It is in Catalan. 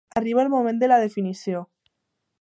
Arriba el moment de la definició.